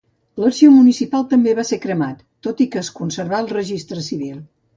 L'arxiu municipal també va ser cremat, tot i que es conservà el registre civil.